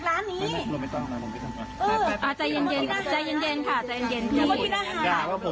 ไม่เป็นไรเดี๋ยวเราลองเขาคุยเดี๋ยวเข้ามา